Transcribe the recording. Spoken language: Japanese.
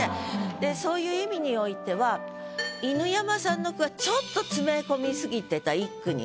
でそういう意味においては犬山さんの句はちょっと詰め込み過ぎてた一句に。